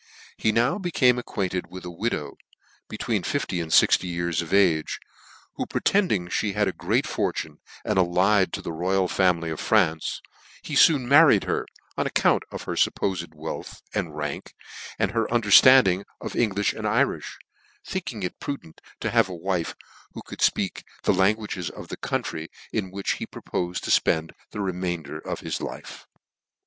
He now became acquainted with a widow, between fifty and fjxty years of age, who pretending me had a great fortune, and allied to the royal family of France, he foon married her, oa account of her fuppofed wealth and rank, and her underftanding Engliih and Irilh, thinking it pruclent to have a wile who could\fpeak the language of the coun try J. P. DRAMATTI fir Murder. 67 try in which he proposed to fpend the remainder of }iis life.